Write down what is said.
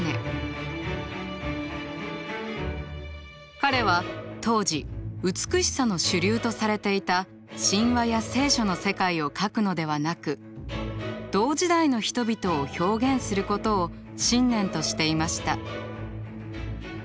彼は当時美しさの主流とされていた神話や「聖書」の世界を描くのではなく同時代の人々を表現することを信念としていました。